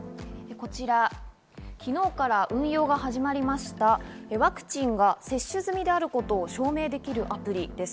こちら、昨日から運用が始まりました、ワクチンが接種済みであることを証明できるアプリです。